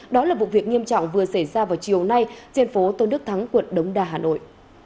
đó là vụ việc nghiêm trọng vừa xảy ra vào chiều nay trên phố tôn đức thắng quận đống đa hà nội